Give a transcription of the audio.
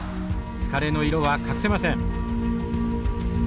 疲れの色は隠せません。